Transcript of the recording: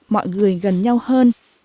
mọi người gần nhau hơn